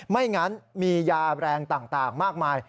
ไม่งั้นมียาแรงต่างมากมาย